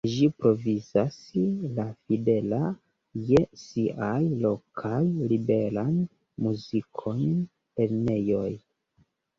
Ĝi provizas la fidela je siaj lokaj liberan muzikon lernejoj.